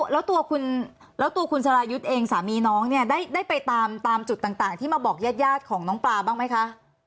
แล้วตัวคุณแล้วตัวคุณสรายุทธ์เองสามีน้องเนี่ยได้ไปตามจุดต่างที่มาบอกญาติของน้องปลาบ้างไหมคะ